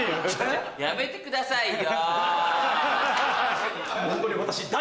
もうやめてくださいよ。